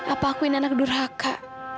apa aku ini anak durhaka